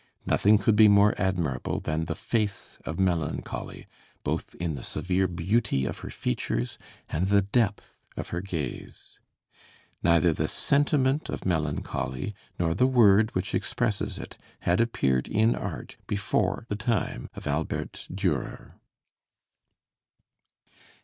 Nothing could be more admirable than the face of Melancholy, both in the severe beauty of her features and the depth of her gaze. Neither the sentiment of melancholy nor the word which expresses it had appeared in art before the time of Albert Dürer.